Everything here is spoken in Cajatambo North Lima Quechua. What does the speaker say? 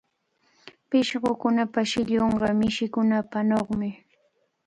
Pishqukunapa shillunqa mishikunapanawmi.